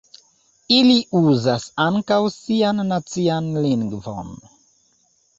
Ili uzas ankaŭ sian nacian lingvon.